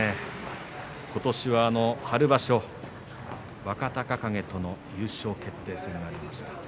今年は春場所、若隆景との優勝決定戦がありました。